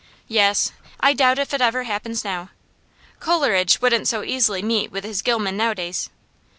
'Yes. I doubt if it ever happens now. Coleridge wouldn't so easily meet with his Gillman nowadays.